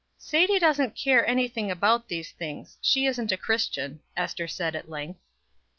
"Sadie doesn't care anything about these things, she isn't a Christian," Ester said at length.